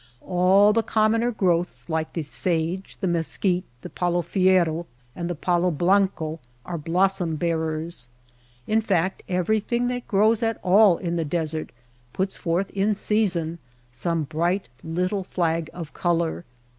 All the commoner growths like the sage, the mesquite, the palo fierro, and the palo bianco, are blossom bearers. In fact everything that grows at all in the desert puts forth in sea son some bright little flag of color.